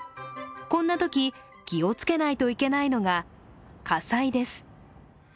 こんなとき、気をつけないといけないのが火災です。